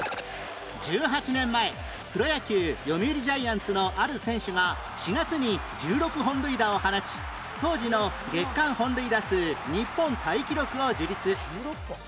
１８年前プロ野球読売ジャイアンツのある選手が４月に１６本塁打を放ち当時の月間本塁打数日本タイ記録を樹立